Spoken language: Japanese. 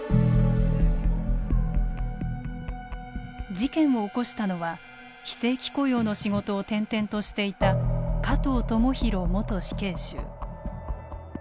事件を起こしたのは非正規雇用の仕事を転々としていた加藤智大元死刑囚。